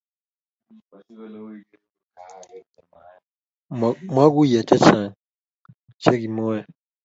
mokuye chichang che kimwae